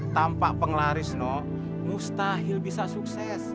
tanpa penglaris noh mustahil bisa sukses